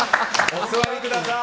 お座りください！